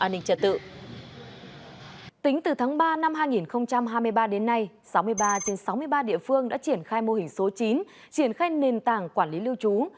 tính từ tháng ba năm hai nghìn hai mươi ba đến nay sáu mươi ba trên sáu mươi ba địa phương đã triển khai mô hình số chín triển khai nền tảng quản lý lưu trú